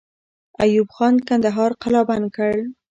ایوب خان کندهار قلابند کړ.